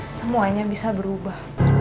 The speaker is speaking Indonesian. semuanya bisa berubah